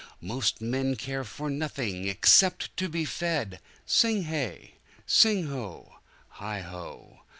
"Most men care for nothing except to be fed!" Sing hey! sing ho! heigho!"